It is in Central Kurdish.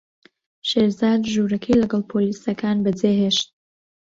شێرزاد ژوورەکەی لەگەڵ پۆلیسەکان بەجێهێشت.